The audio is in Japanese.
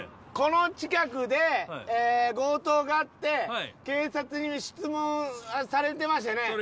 この近くで強盗があって警察に質問されてましたよね？